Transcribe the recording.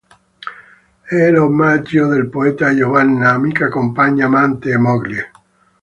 È l’omaggio del poeta a Giovanna, amica, compagna, amante e moglie.